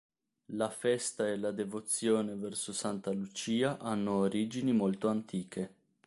La festa e la devozione verso Santa Lucia hanno origini molto antiche.